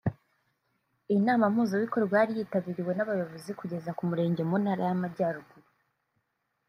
Iyi nama mpuzabikorwa yari yitabiriwe n’abayobozi kugeza ku murenge mu ntara y’Amajyaruguru